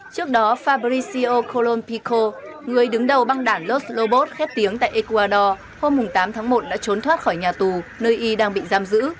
trước đó fabricio colon pico người đứng đầu băng đảng los lobos khét tiếng tại ecuador hôm tám tháng một đã trốn thoát khỏi nhà tù nơi y đang bị giam giữ